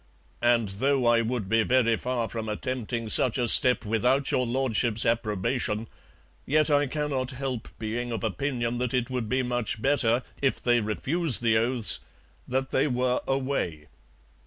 And tho' I would be very far from attempting such a step without Your Lordships' approbation, yet I cannot help being of opinion that it would be much better, if they refuse the oaths, that they were away.